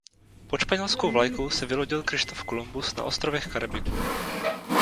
Pod španělskou vlajkou se vylodil Kryštof Kolumbus na ostrovech Karibiku.